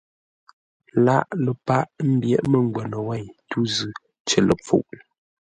Laghʼ ləpâʼ ḿbyéʼ mə́ngwə́nə wêi tû zʉ́ cər ləpfuʼ.